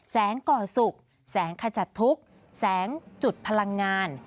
ก่อสุขแสงขจัดทุกข์แสงจุดพลังงาน